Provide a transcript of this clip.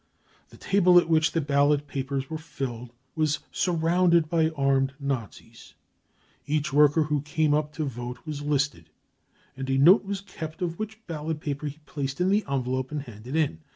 The table at which the ballot papers were filled in was surrounded by armed Nazis. Each worker who came up to vote was listed, and a note was kept of which ballot paper he placed in the envelope and handed in.